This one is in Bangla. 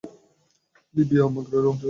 লিবিয়া মাগরেব অঞ্চলের অংশ।